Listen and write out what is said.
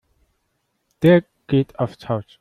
Der geht aufs Haus.